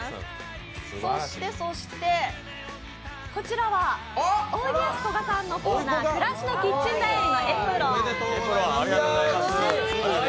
そしてそして、こちらはおいでやすこがさんのコーナー、暮らしのキッチン便りのエプロン。